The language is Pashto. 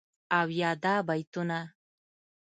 او یادا بیتونه..